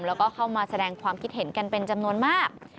แล้วก็เข้ามาแสดงความคิดเห็นกันเป็นจำนวนมาก